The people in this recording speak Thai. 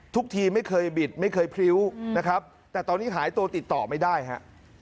ทุกทีไม่เคยบิดไม่เคยพริ้วนะครับแต่ตอนนี้หายตัวติดต่อไม่ได้ฮะ